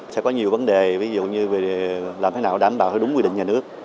sẽ có nhiều vấn đề ví dụ như làm thế nào đảm bảo đúng quy định nhà nước